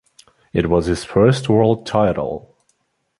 It was his first world title.